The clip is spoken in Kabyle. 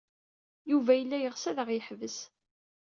Yuba yella yeɣs ad aɣ-yeḥbes.